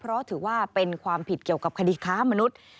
เพราะถือว่าเป็นความผิดเกี่ยวกับคดีค้ามนุษย์